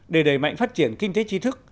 để đẩy mạnh phát triển kinh tế chi thức